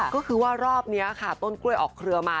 ก็คือว่ารอบนี้ค่ะต้นกล้วยออกเครือมา